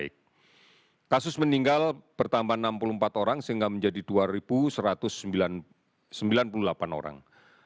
kasus meninggal bertambah enam puluh empat orang sehingga menjadi dua satu ratus sembilan puluh delapan orang